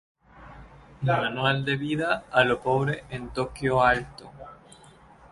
La traducción aproximada es "Manual de vida a lo pobre en Tokyo Alto".